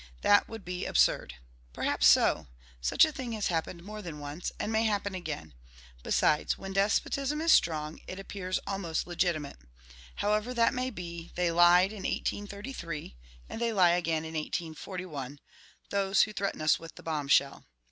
That would be absurd!" Perhaps so: such a thing has happened more than once, and may happen again. Besides, when despotism is strong, it appears almost legitimate. However that may be, they lied in 1833, and they lie again in 1841, those who threaten us with the bomb shell.